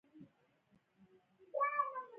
ښار یې کلابند کړ بي بي زینب یادونې وړ نقش درلود.